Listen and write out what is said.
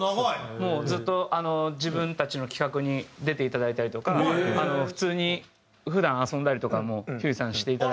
もうずっと自分たちの企画に出ていただいたりとか普通に普段遊んだりとかもひゅーいさんしていただいてて。